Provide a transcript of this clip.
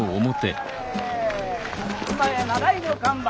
今や名題の看板